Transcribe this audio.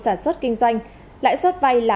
sản xuất kinh doanh lãi suất vay là